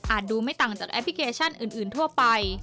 ดูไม่ต่างจากแอปพลิเคชันอื่นทั่วไป